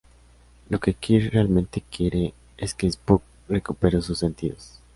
Lo que Kirk realmente quiere es que Spock recupere sus sentidos.